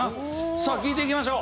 さあ聞いていきましょう。